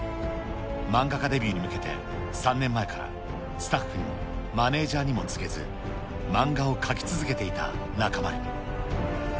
漫画家デビューに向けて、３年前からスタッフにもマネージャーにも告げず、漫画を描き続けていた中丸。